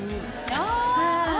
ああ！